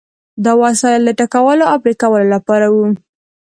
دا وسایل د ټکولو او پرې کولو لپاره وو.